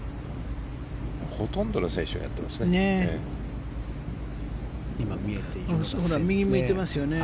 ほとんどの選手がやってますよね。